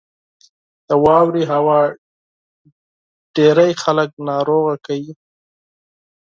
• د واورې هوا ډېری خلک ناروغ کوي.